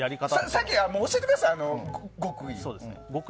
先に教えてください、極意。